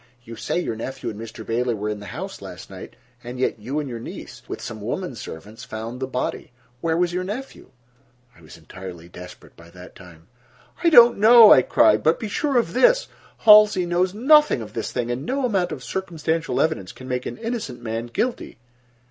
"You say your nephew and Mr. Bailey were in the house last night, and yet you and your niece, with some women servants, found the body. Where was your nephew?" I was entirely desperate by that time. "I do not know," I cried, "but be sure of this: Halsey knows nothing of this thing, and no amount of circumstantial evidence can make an innocent man guilty."